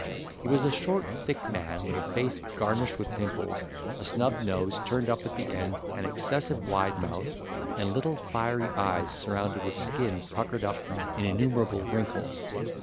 He was a short thick man, with a face garnished with pimples, a snub nose turned up at the end, an excessive wide mouth, and little fiery eyes, surrounded with skin puckered up in innumerable wrinkles.